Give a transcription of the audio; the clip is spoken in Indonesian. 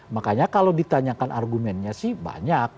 makanya kalau ditanyakan argumennya sih banyak